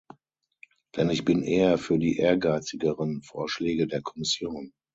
Denn ich bin eher für die ehrgeizigeren Vorschläge der Kommission.